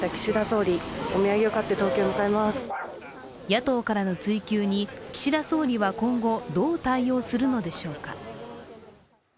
野党からの追及に岸田総理は今後、どう対応するのでしょうか。